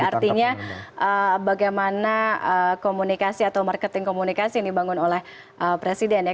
artinya bagaimana komunikasi atau marketing komunikasi yang dibangun oleh presiden ya